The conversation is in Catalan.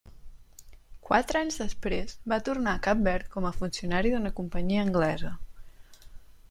Quatre anys després, va tornar a Cap Verd com funcionari d'una companyia anglesa.